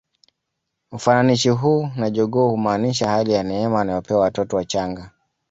Ufananishi huu na jogoo humaanisha hali ya neema wanayopewa watoto wachanga